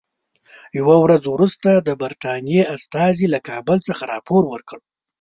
یوه ورځ وروسته د برټانیې استازي له کابل څخه راپور ورکړ.